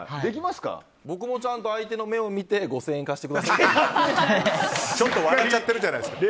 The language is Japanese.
僕もちゃんと相手の目を見て５０００円貸してくださいって言いますよ。